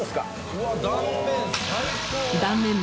うわっ断面最高！